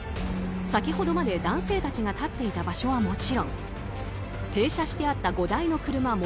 先ほどまで男性たちが立っていた場所はもちろん停車してあった５台の車